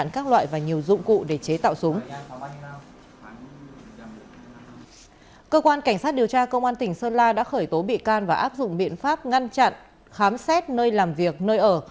cơ quan cảnh sát điều tra công an tỉnh sơn la đã khởi tố bị can và áp dụng biện pháp ngăn chặn khám xét nơi làm việc nơi ở